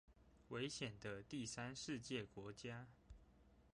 危險的第三世界國家